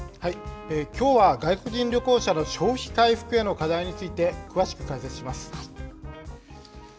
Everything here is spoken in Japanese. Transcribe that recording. きょうは外国人旅行者の消費回復への課題について、詳しく解説します。